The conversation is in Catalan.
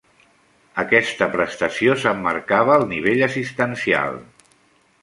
Aquesta prestació s'emmarcava al nivell assistencial.